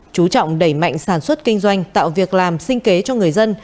chú trọng đẩy mạnh sản xuất kinh doanh tạo việc làm sinh kế cho người dân